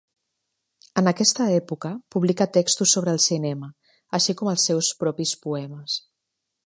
En aquesta època, publica textos sobre el cinema, així com els seus propis poemes.